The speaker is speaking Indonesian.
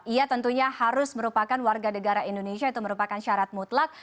ia tentunya harus merupakan warga negara indonesia itu merupakan syarat mutlak